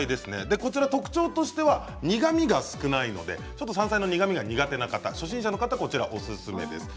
でこちら特徴としては苦みが少ないので山菜の苦みが苦手な方初心者の方はこちらがオススメです。